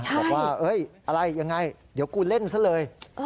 บอกว่าเอ๊ยอะไรอย่างไรเดี๋ยวกูเล่นซะเลย